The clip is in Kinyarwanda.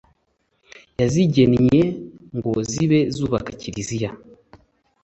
yazigennye, ngo zibe zubaka kiliziya